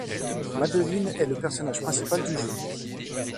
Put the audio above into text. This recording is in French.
Madeline est le personnage principal du jeu.